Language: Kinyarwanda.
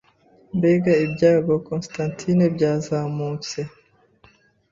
Mbega ibyago Constantine byazamutse